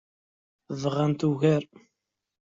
Bɣant ugar.